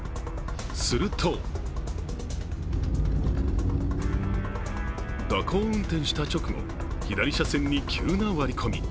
すると蛇行運転した直後、左車線に急な割り込み。